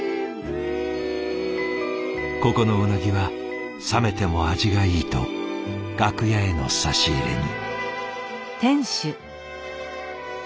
ここのうなぎは冷めても味がいいと楽屋への差し入れに。